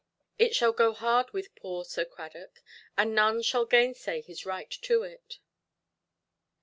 It shall go hard with poor old Sir Cradock, and none shall gainsay his right to it.